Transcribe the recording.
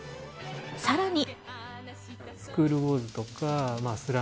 さらに。